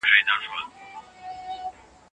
له اړمنو سره مینه وکړئ.